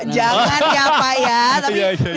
jangan ya pak ya